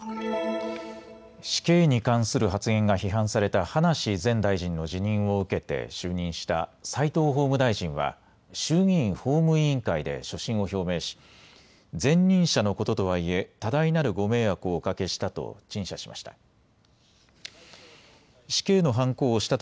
死刑に関する発言が批判された葉梨前大臣の辞任を受けて就任した齋藤法務大臣は衆議院法務委員会で所信を表明し前任者のこととはいえ多大なるご迷惑をおかけしたと陳謝しました。